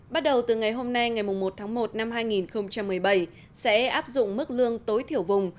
bắt đầu từ ngày hôm nay ngày một tháng một năm hai nghìn một mươi bảy sẽ áp dụng mức lương tối thiểu vùng